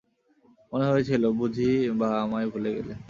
মনে হয়েছিল, বুঝি বা আমায় ভুলে গেলে।